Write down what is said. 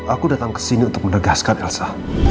aku datang kesini untuk menegaskan elsa